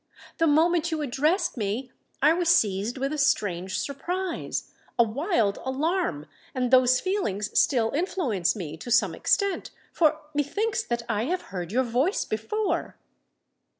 The moment you addressed me, I was seized with a strange surprise—a wild alarm; and those feelings still influence me to some extent,—for methinks that I have heard your voice before!"